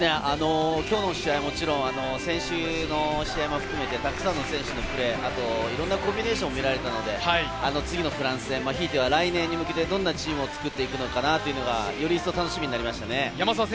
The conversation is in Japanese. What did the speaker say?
もちろん先週の試合も含めて、たくさんの選手のプレー、あといろんなコンビネーションも見られたので、次のフランス戦、ひいては来年に向けて、どんなチームを作っていくのかなっていうのがより一層楽しみなりました。